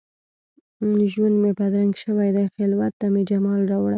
ژوند مي بدرنګ شوی دي، خلوت ته مي جمال راوړه